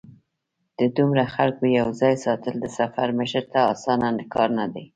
د دومره خلکو یو ځای ساتل د سفر مشر ته اسانه کار نه دی.